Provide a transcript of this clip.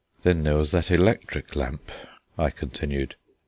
Then there was that electric lamp," I continued.